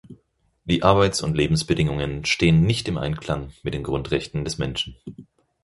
Die Arbeits- und Lebensbedingungen stehen nicht im Einklang mit den Grundrechten des Menschen.